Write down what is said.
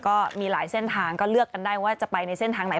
ก็มีหลายเส้นทางก็เลือกกันได้ว่าจะไปในเส้นทางไหน